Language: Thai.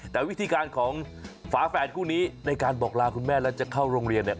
แต่วิธีการของฝาแฝดคู่นี้ในการบอกลาคุณแม่แล้วจะเข้าโรงเรียนเนี่ย